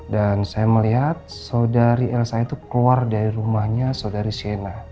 dan saya melihat saudari elsa itu keluar dari rumahnya saudari sienna